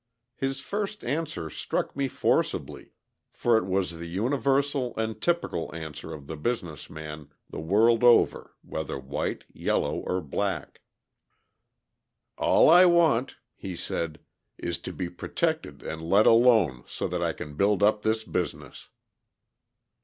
His first answer struck me forcibly, for it was the universal and typical answer of the business man the world over whether white, yellow, or black: "All I want," he said, "is to be protected and let alone, so that I can build up this business."